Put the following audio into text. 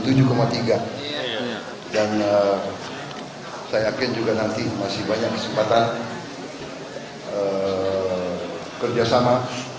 dan saya yakin juga nanti masih banyak kesempatan kerjasama